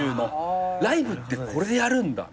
ライブってこれでやるんだみたいな。